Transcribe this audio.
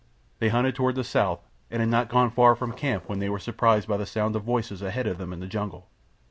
They hunted toward the south, and had not gone far from camp when they were surprised by the sound of voices ahead of them in the jungle.